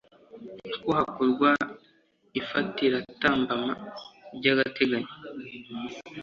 Ko hakorwa ifatiratambama ry agateganyo